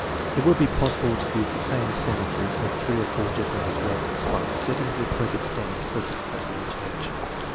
It would be possible to use the same sen tences at three or four different age levels, by setting the appropriate standard for success at each age.